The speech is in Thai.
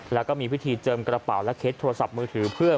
แล้วก็มีพิธีเจิมกระเป๋าและเคสโทรศัพท์มือถือเพื่อ